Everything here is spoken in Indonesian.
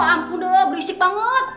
ampudah berisik banget